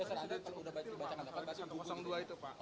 bukan ada yang sudah dibacakan dapat bahas yang dua itu pak